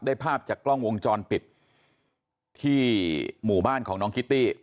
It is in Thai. ภาพจากกล้องวงจรปิดที่หมู่บ้านของน้องคิตตี้